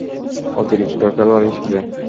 অতিরিক্ত খেলোয়ার হিসেবে।